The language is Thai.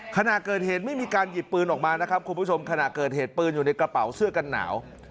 ขณะเกิดเหตุไม่มีการหยิบปืนออกมานะครับคุณผู้ชมขณะเกิดเหตุปืนอยู่ในกระเป๋าเสื้อกันหนาว